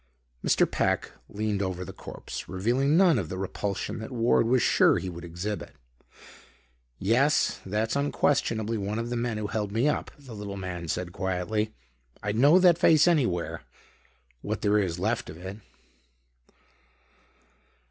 Mr. Peck leaned over the corpse, revealing none of the repulsion that Ward was sure he would exhibit. "Yes, that's unquestionably one of the men who held me up," the little man said quietly. "I'd know that face anywhere, what there is left of it.